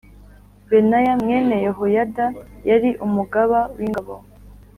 Benaya mwene Yehoyada yari umugaba w’ingabo